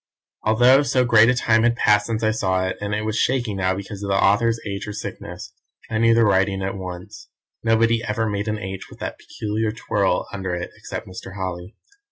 Although so great a time had passed since I saw it, and it was shaky now because of the author's age or sickness, I knew the writing at once nobody ever made an "H" with that peculiar twirl under it except Mr. Holly.